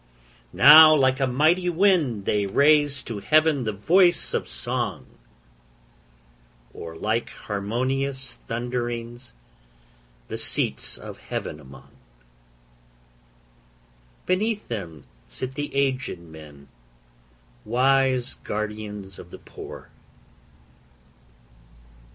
Now like a mighty wind they raise to heaven the voice of song, Or like harmonious thunderings the seats of heaven among: Beneath them sit the aged men, wise guardians of the poor.